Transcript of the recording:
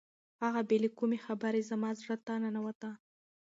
هغه بې له کومې خبرې زما زړه ته ننوته.